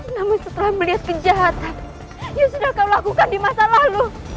namun setelah melihat kejahatan yang sudah kau lakukan di masa lalu